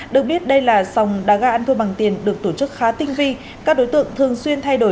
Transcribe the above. được biết đây là sòng đá gà ăn thua bằng tiền được tổ chức khá tinh vi các đối tượng thường xuyên thay đổi